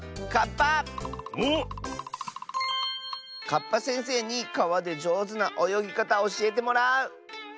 カッパせんせいにかわでじょうずなおよぎかたおしえてもらう！